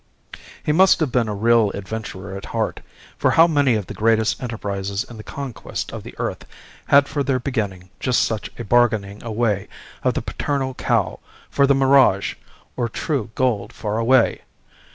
"He must have been a real adventurer at heart, for how many of the greatest enterprises in the conquest of the earth had for their beginning just such a bargaining away of the paternal cow for the mirage or true gold far away!